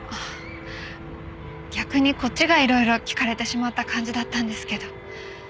逆にこっちが色々聞かれてしまった感じだったんですけど。